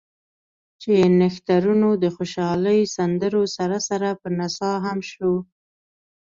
چې نښترونو د خوشالۍ سندرو سره سره پۀ نڅا هم شو ـ